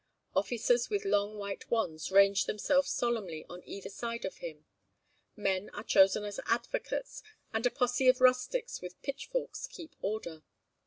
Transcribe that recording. Officers with long white wands range themselves solemnly on either side of him; men are chosen as advocates; and a posse of rustics with pitchforks keeps order.